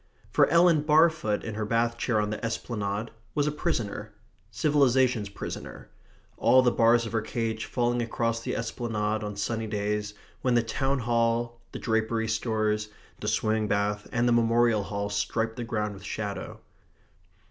For Ellen Barfoot in her bath chair on the esplanade was a prisoner civilization's prisoner all the bars of her cage falling across the esplanade on sunny days when the town hall, the drapery stores, the swimming bath, and the memorial hall striped the ground with shadow.